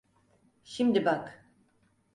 Şimdi bak.